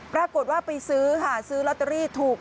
ปรากฏว่าไปซื้อค่ะซื้อลอตเตอรี่ถูก